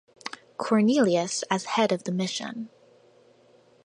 Cornelius as head of the mission.